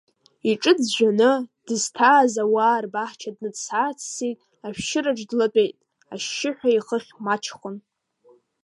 Иҿы ӡәӡәаны, дызҭааз ауаа рбаҳча дныҵс-ааҵсит, ашәшьыраҿ длатәеит, ашьшьыҳәа ихыхь маҷхон.